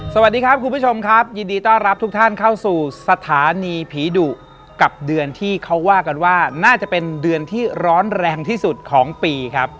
สวัสดีครับคุณผู้ชมครับยินดีต้อนรับทุกท่านเข้าสู่สถานีผีดุกับเดือนที่เขาว่ากันว่าน่าจะเป็นเดือนที่ร้อนแรงที่สุดของปีครับ